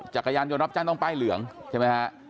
จักรยานยนต์รับจ้างต้องป้ายเหลืองใช่ไหมฮะ